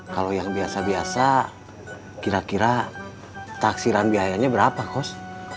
kalau yang biasa biasa kira kira taksiran biayanya berapa kos